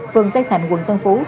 phường tây thành quận tân phú